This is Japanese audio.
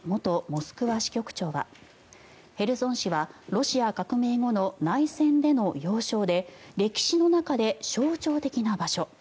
モスクワ支局長はヘルソン市はロシア革命後の内戦での要衝で歴史の中で象徴的な場所